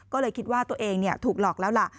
ก็เลยคิดว่าตัวเองถูกหลอกแล้วล่ะ